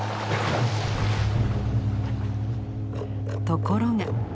ところが！